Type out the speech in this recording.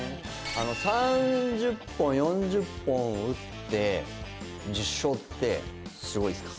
３０本、４０本打って１０勝ってすごいですか？